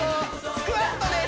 スクワットです